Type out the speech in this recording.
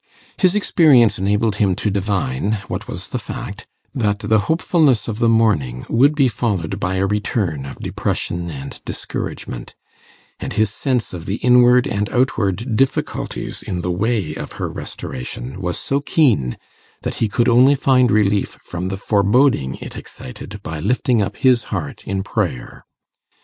His experience enabled him to divine what was the fact that the hopefulness of the morning would be followed by a return of depression and discouragement; and his sense of the inward and outward difficulties in the way of her restoration was so keen, that he could only find relief from the foreboding it excited by lifting up his heart in prayer.